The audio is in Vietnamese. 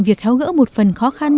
việc tháo gỡ một phần khó khăn